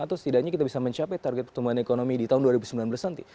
atau setidaknya kita bisa mencapai target pertumbuhan ekonomi di tahun dua ribu sembilan belas nanti